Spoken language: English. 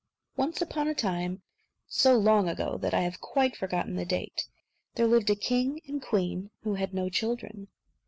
_ Once upon a time, so long ago that I have quite forgotten the date, there lived a king and queen who had no children.